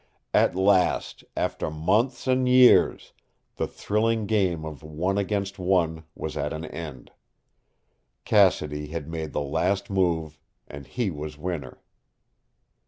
At last, after months and years, the thrilling game of One against One was at an end. Cassidy had made the last move, and he was winner.